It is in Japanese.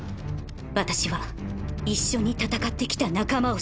私は一緒に戦ってきた仲間を信じている。